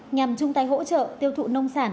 nhằm chung tay hỗ trợ tiêu thụ nông sản